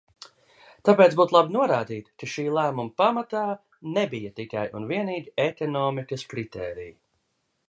Tāpēc būtu labi norādīt, ka šī lēmuma pamatā nebija tikai un vienīgi ekonomikas kritēriji.